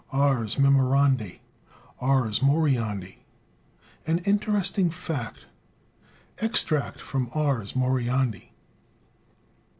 "Ars Memorandi." "Ars Moriendi." An Interesting Fact. Extract from "Ars Moriendi."